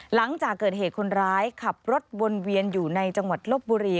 หลังจากเกิดเหตุคนร้ายขับรถวนเวียนอยู่ในจังหวัดลบบุรี